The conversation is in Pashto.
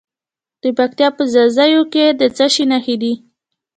د پکتیا په ځاځي کې د څه شي نښې دي؟